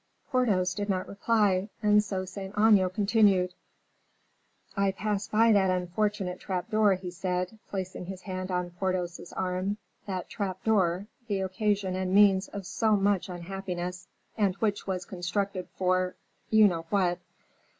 Porthos did not reply, and so Saint Aignan continued: "I pass by that unfortunate trap door," he said, placing his hand on Porthos's arm, "that trap door, the occasion and means of so much unhappiness, and which was constructed for you know what.